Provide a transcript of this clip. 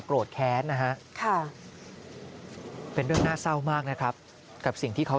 แค้นนะฮะค่ะเป็นเรื่องน่าเศร้ามากนะครับกับสิ่งที่เขา